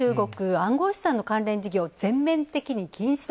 暗号資産の関連事業を全面的に禁止と。